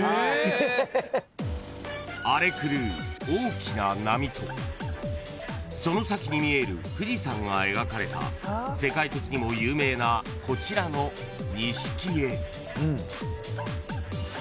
［荒れ狂う大きな波とその先に見える富士山が描かれた世界的にも有名なこちらの錦絵］